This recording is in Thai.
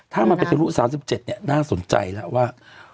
ถ้ามันเป็นธุรกิจ๓๗เนี่ยน่าสนใจแล้วว่า